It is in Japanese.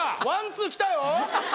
ワンツーきたよ！